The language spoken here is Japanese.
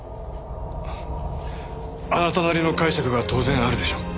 あなたなりの解釈が当然あるでしょう？